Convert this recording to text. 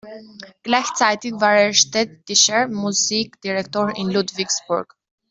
Gleichzeitig war er Städtischer Musikdirektor in Ludwigsburg.